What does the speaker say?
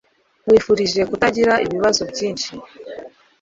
Nkwifurije kutagira ibibazo byinshi.